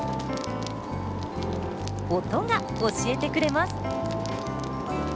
音が教えてくれます。